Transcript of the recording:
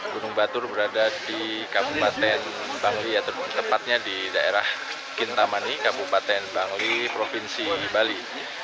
gunung batur berada di kabupaten bangli tepatnya di daerah kintamani kabupaten bangli provinsi bali